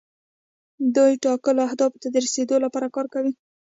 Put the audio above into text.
دوی ټاکلو اهدافو ته د رسیدو لپاره کار کوي.